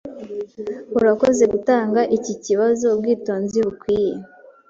Urakoze gutanga iki kibazo ubwitonzi bukwiye.